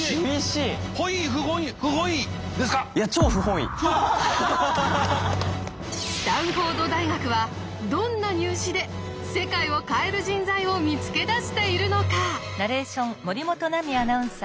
いやスタンフォード大学はどんな入試で世界を変える人材を見つけ出しているのか？